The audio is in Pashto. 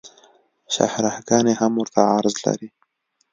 شاهراه ګانې هم ورته عرض لري